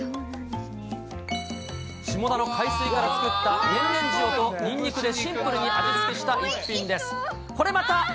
下田の海水から作った天然塩とにんにくでシンプルに味付けした逸品です。